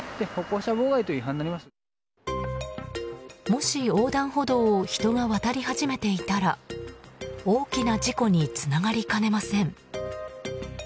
もし、横断歩道を人が渡り始めていたら大きな事故につながりかねません。